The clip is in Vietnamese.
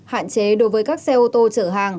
hạn chế đối với các xe ô tô chở hàng